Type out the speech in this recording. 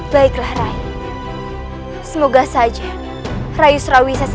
baiklah rai semoga saja rai surawisesa